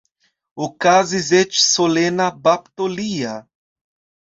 Okazis eĉ solena bapto lia.